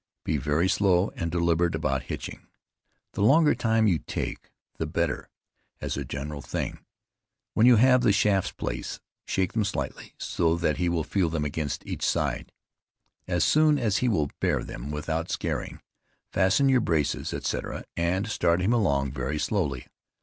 Be very slow and deliberate about hitching; the longer time you take, the better, as a general thing. When you have the shafts placed, shake them slightly, so that he will feel them against each side. As soon as he will bear them without scaring, fasten your braces, etc., and start him along very slowly.